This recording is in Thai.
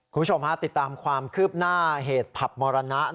คุณผู้ชมติดตามความคืบหน้าเหตุผับมรณะ